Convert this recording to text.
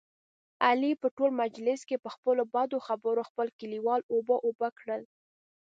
علي په ټول مجلس کې، په خپلو بدو خبرو خپل کلیوال اوبه اوبه کړل.